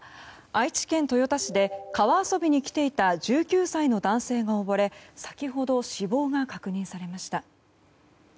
愛知県豊田市で川遊びに来ていた１９歳の男性が溺れ先ほど、死亡が確認されました。